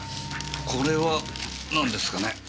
これはなんですかね？